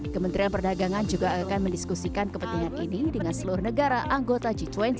kementerian perdagangan juga akan mendiskusikan kepentingan ini dengan seluruh negara anggota g dua puluh